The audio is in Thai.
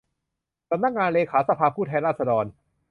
สำนักงานเลขาสภาผู้แทนราษฎร